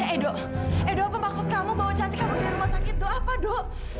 edo edo apa maksud kamu bawa cantik kamu ke rumah sakit itu apa do